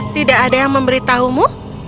tidak ada yang memberitahumu